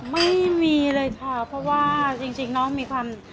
ไม่มีเลยค่ะเพราะว่าจริงน้องมีความ